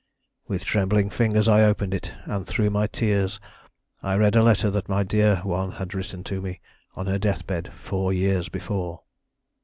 "With trembling fingers I opened it, and through my tears I read a letter that my dear one had written to me on her deathbed four years before.